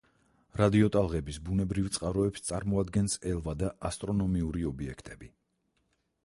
რადიოტალღების ბუნებრივ წყაროებს წარმოადგენს ელვა და ასტრონომიური ობიექტები.